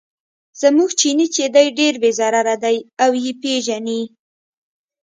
زموږ چیني چې دی ډېر بې ضرره دی او یې پیژني.